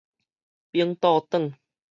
翻倒轉